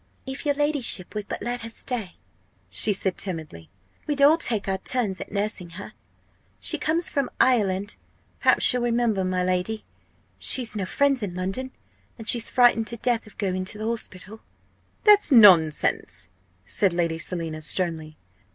"If your ladyship would but let her stay," she said timidly, "we'd all take our turns at nursing her. She comes from Ireland, perhaps you'll remember, my lady. She's no friends in London, and she's frightened to death of going to the hospital." "That's nonsense!" said Lady Selina, sternly.